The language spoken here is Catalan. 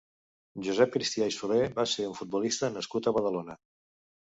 Josep Cristià i Solé va ser un futbolista nascut a Badalona.